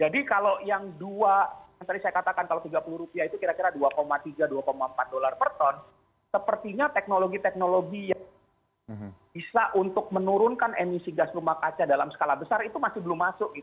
jadi kalau yang dua tadi saya katakan kalau tiga puluh rupiah itu kira kira dua tiga dua empat dolar per ton sepertinya teknologi teknologi yang bisa untuk menurunkan emisi gas rumah kaca dalam skala besar itu masih belum masuk